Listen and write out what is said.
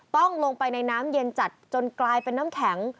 ต้องลงไปในน้ำเย็นจัดจนกลายเป็นน้ำแข็ง